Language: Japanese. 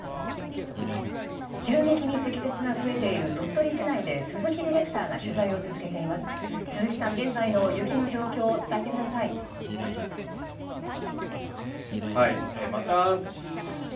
急激に積雪が増えている鳥取市内で鈴木ディレクターが取材を続けています。